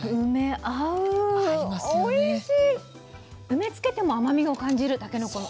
梅つけても甘みを感じるたけのこ。